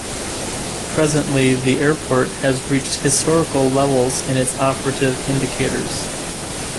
Presently, the airport has reached historical levels in its operative indicators.